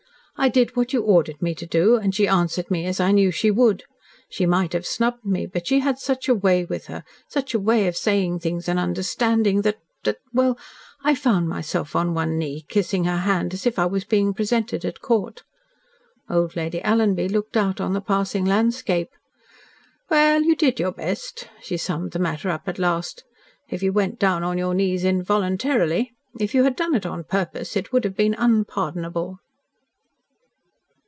I did what you ordered me to do, and she answered me as I knew she would. She might have snubbed me, but she has such a way with her such a way of saying things and understanding, that that well, I found myself on one knee, kissing her hand as if I was being presented at court." Old Lady Alanby looked out on the passing landscape. "Well, you did your best," she summed the matter up at last, "if you went down on your knees involuntarily. If you had done it on purpose, it would have been unpardonable."